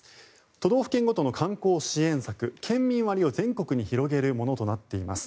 都道府県ごとの観光支援策県民割を全国に広げるものとなっています。